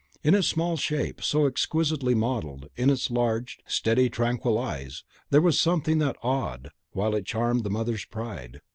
In its small shape, so exquisitely modelled, in its large, steady, tranquil eyes, there was something that awed, while it charmed the mother's pride.